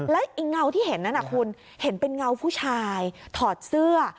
แล้วไอ้เงาที่เห็นนั้นคุณเห็นเป็นเงาผู้ชายถอดเสื้อ